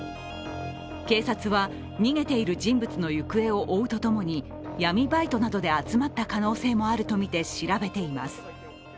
警察は、逃げている人物の行方を追うとともに闇バイトなどで集まった可能性もあるとみて調べています。